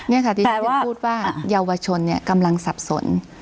นี่ค่ะที่ฉันยังพูดว่าเยาวชนกำลังสับสน